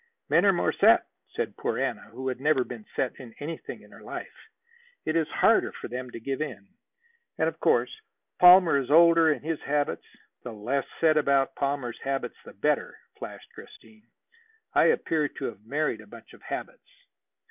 "Men are more set," said poor Anna, who had never been set in anything in her life. "It is harder for them to give in. And, of course, Palmer is older, and his habits " "The less said about Palmer's habits the better," flashed Christine. "I appear to have married a bunch of habits."